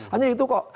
hanya itu kok